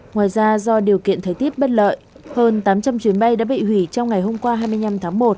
ngoài ra do điều kiện thời tiết bất lợi hơn tám trăm linh chuyến bay đã bị hủy trong ngày hôm qua hai mươi năm tháng một